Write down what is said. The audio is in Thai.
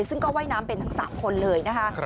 ซึ่งก็ว่ายน้ำเป็นทั้ง๓คนเลยนะคะ